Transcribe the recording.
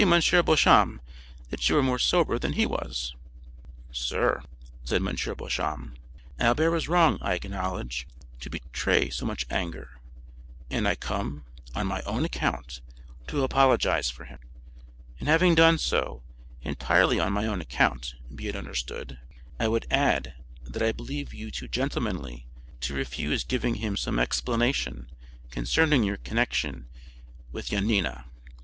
Beauchamp, that you are more sober than he was." "Sir," said M. Beauchamp, "Albert was wrong, I acknowledge, to betray so much anger, and I come, on my own account, to apologize for him. And having done so, entirely on my own account, be it understood, I would add that I believe you too gentlemanly to refuse giving him some explanation concerning your connection with Yanina.